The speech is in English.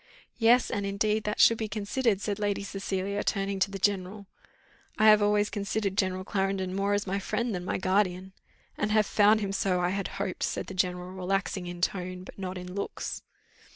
"Yes, and indeed that should be considered," said Lady Cecilia, turning to the general. "I have always considered General Clarendon more as my friend than my guardian." "And have found him so, I had hoped," said the general, relaxing in tone but not in looks.